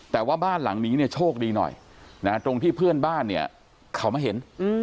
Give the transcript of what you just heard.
แต่ว่าบ้านหลังนี้เนี่ยโชคดีหน่อยนะตรงที่เพื่อนบ้านเนี่ยเขามาเห็น